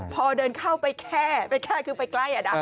พอเดินเข้าไปแค่ไปแค่คือไปใกล้